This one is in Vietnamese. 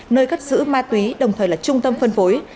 nơi cất giữ ma túy đồng thời là trung tâm phân phối